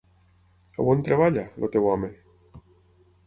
On treballa, el teu home?